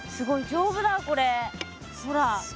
丈夫だこれほら。